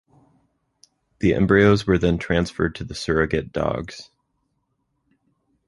The embryos were then transferred to the surrogate dogs.